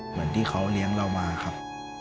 เหมือนที่เขาเลี้ยงเรามาครับ